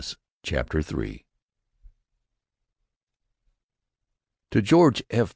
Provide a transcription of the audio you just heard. CHAPTER III I To George F.